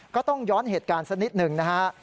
ก็ต้องย้อนเหตุการณ์สักนิดหนึ่งนะฮะ